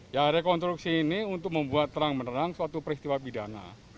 ya rekonstruksi ini untuk membuat terang menerang suatu peristiwa pidana